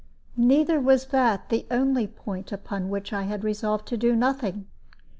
Neither was that the only point upon which I resolved to do nothing.